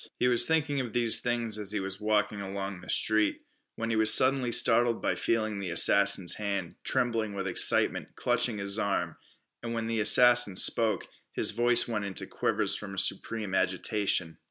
He was thinking of these things as he walked along the street, when he was suddenly startled by feeling the assassin's hand, trembling with excitement, clutching his arm, and when the assassin spoke, his voice went into quavers from a supreme agitation.